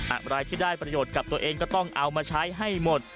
อะไรที่ได้ประโยชน์กับตัวเองก็ต้องเอามาใช้ให้หมด